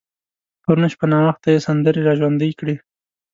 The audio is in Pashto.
پرون شپه ناوخته يې سندرې را ژوندۍ کړې.